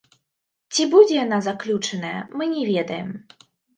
І ці будзе яна заключаная, мы не ведаем.